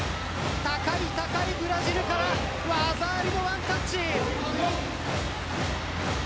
高い高いブラジルから技ありのワンタッチ。